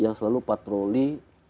yang selalu patroli